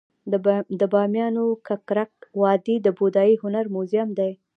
د بامیانو ککرک وادي د بودايي هنر موزیم دی